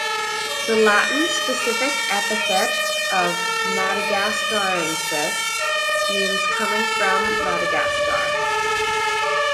The Latin specific epithet of "madagascariensis" means coming from Madagascar.